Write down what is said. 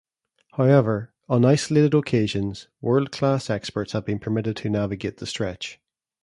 However, on isolated occasions, world class experts have been permitted to navigate the stretch.